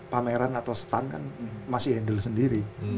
pameran atau stand kan masih handle sendiri